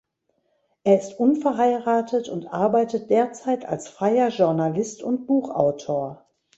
Er ist unverheiratet und arbeitet derzeit als freier Journalist und Buchautor.